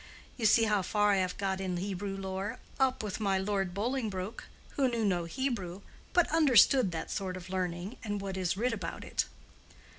You see how far I have got in Hebrew lore—up with my Lord Bolingbroke, who knew no Hebrew, but "understood that sort of learning and what is writ about it."